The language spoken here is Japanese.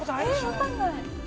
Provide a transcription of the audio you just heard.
わかんない。